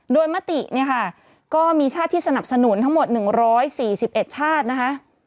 โดยมติเนี่ยค่ะก็มีชาติที่สนับสนุนทั้งหมด๑๔๑ชาตินะคะ